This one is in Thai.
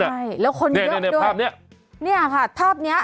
ใช่แล้วคนเยอะด้วยนี่ค่ะภาพนี้นี่ค่ะภาพนี้